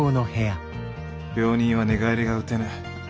病人は寝返りが打てぬ。